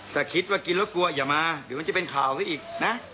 ถ้าคิดว่ากินแล้วกลัวอย่ามาเดี๋ยวมันจะเป็นข่าวขึ้นอีกนะ